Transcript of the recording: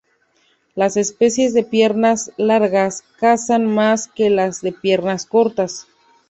Las especies de piernas largas cazan más que las de piernas cortas.